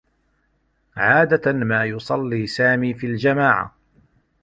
عادة ما يصلّي سامي في الجماعة.